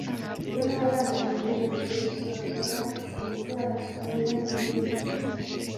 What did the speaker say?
ubu n’abana banjye bagiye gusezera ku ndwara ziterwa n’imirire mibi”